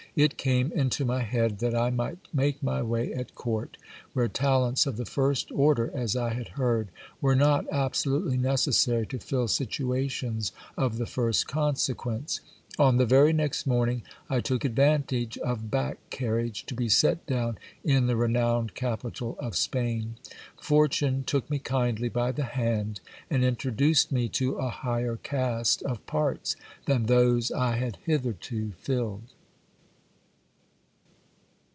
It came into my head that I might make my way at court, where talents of the first order, as I had heard, were not absolutely necessary to fill situations of the first consequence. On the very next morning I took advantage of back carriage, to be set down in the renowned capital of Spain. Fortune took me kindly by the hand, and intro duced me to a higher cast of parts than those I had hitherto filled.